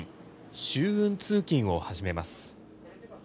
舟運通勤を始めます。